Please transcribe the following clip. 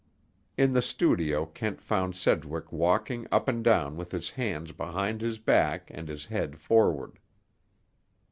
In the studio Kent found Sedgwick walking up and down with his hands behind his back and his head forward.